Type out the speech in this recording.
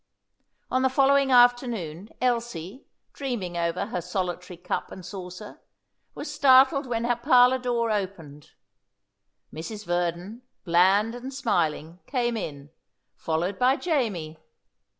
On the following afternoon, Elsie, dreaming over her solitary cup and saucer, was startled when her parlour door opened. Mrs. Verdon, bland and smiling, came in, followed by Jamie.